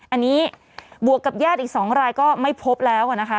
อันนี้บวกกับญาติอีก๒รายก็ไม่พบแล้วนะคะ